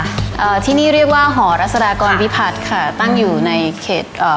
อ่าที่นี่เรียกว่าหอรัศดากรพิพัฒน์ค่ะตั้งอยู่ในเขตอ่า